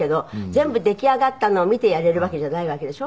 全部出来上がったのを見てやれるわけじゃないわけでしょ？